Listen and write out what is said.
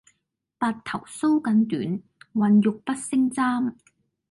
白頭搔更短，渾欲不勝簪。